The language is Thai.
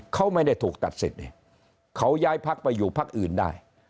เขาไม่ได้ถูกตัดสินเองเขาย้ายพรรคไปอยู่พรรคอื่นได้